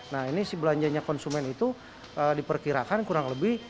nah ini si belanjanya konsumen itu diperkirakan kurang lebih